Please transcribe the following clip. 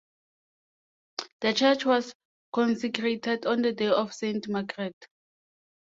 The church was consecrated on the day of "Saint Margaret".